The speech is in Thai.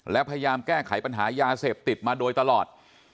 และพยายามแก้ไขปัญหายาเสพติดมาโดยตลอด